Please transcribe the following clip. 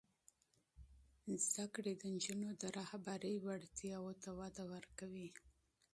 تعلیم د نجونو د رهبري وړتیاوو ته وده ورکوي.